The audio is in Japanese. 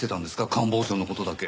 官房長の事だけ。